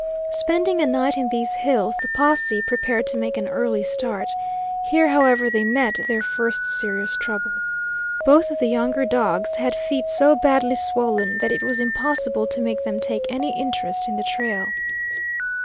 Spending a night in these hills, the posse prepared to make an early start. Here, however, they met their first serious trouble. Both of the younger dogs had feet so badly swollen that it was impossible to make them take any interest in the trail.